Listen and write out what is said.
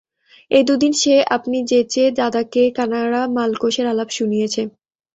এই দুদিন সে আপনি যেচে দাদাকে কানাড়া-মালকোষের আলাপ শুনিয়েছে।